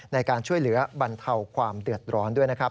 ในการช่วยเหลือบรรเทาความเดือดร้อนด้วยนะครับ